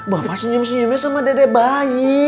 bapak senyum senyumnya sama dede bayi